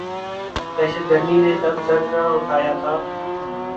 دہشت گردی نے تب سر نہ اٹھایا تھا۔